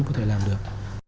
có thể làm được